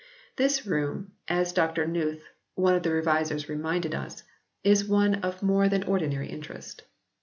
This room, as Dr Newth one of the revisers reminded us, is one of more than ordinary interest.